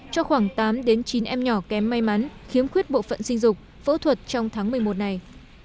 cho khoảng tám chín em nhỏ kém may mắn khiếm khuyết bộ phận sinh dục phẫu thuật trong tháng một mươi một này